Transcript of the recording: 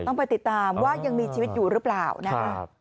ต้องไปติดตามว่ายังมีชีวิตอยู่หรือเปล่านะครับ